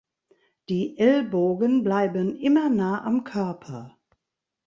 Die Ellbogen bleiben immer nah am Körper.